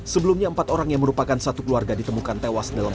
sebelumnya empat orang yang merupakan satu keluarga ditemukan tewas dalam